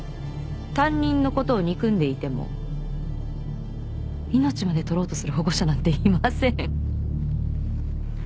担任のことを憎んでいても命まで取ろうとする保護者なんていません。